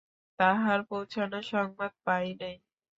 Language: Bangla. তাঁহার পৌঁছানো সংবাদ পাই নাই।